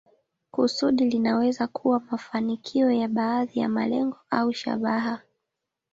Kusudi linaweza kuwa mafanikio ya baadhi ya malengo au shabaha.